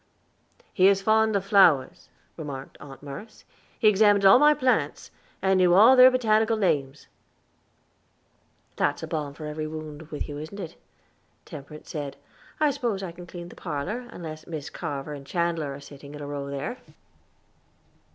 "He is fond of flowers," remarked Aunt Merce; "he examined all my plants, and knew all their botanical names." "That's a balm for every wound with you, isn't it?" Temperance said. "I spose I can clean the parlor, unless Mis Carver and Chandler are sitting in a row there?"